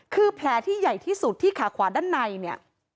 คือแผลที่ใหญ่ที่สุดที่ขาขวาด้านในเนี่ย